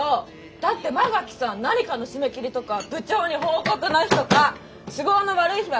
だって馬垣さん何かの締め切りとか部長に報告の日とか都合の悪い日は必ず会社休むじゃないですか！